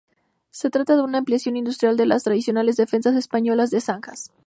Se trata de una ampliación industrial de las tradicionales defensas españolas de zanjas.